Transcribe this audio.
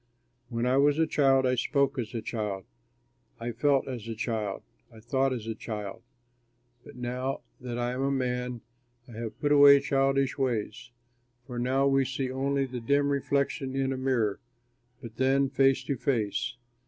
When I was a child, I spoke as a child, I felt as a child, I thought as a child; but now that I am a man I have put away childish ways. For now we see only the dim reflection in a mirror, but then face to face.